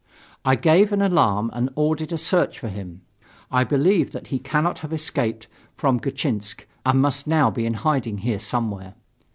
I gave an alarm and ordered a search for him. I believe that he cannot have escaped from Gatchinsk and must now be in hiding here somewhere.